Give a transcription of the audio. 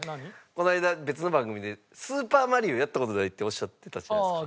この間別の番組で『スーパーマリオ』やった事ないっておっしゃってたじゃないですか。